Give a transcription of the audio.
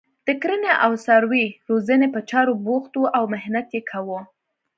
د کرنې او څاروي روزنې په چارو بوخت وو او محنت یې کاوه.